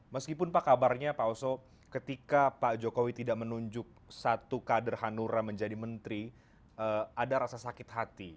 meskipun pak kabarnya pak oso ketika pak jokowi tidak menunjuk satu kader hanura menjadi menteri ada rasa sakit hati